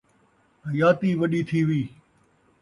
حیاتی وݙی تھیوی